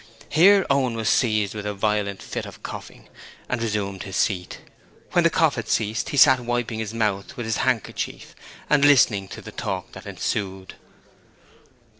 Here Owen was seized with a violent fit of coughing, and resumed his seat. When the cough had ceased he sat wiping his mouth with his handkerchief and listening to the talk that ensued.